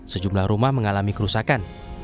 sejumlah rumah mengalami kerusakan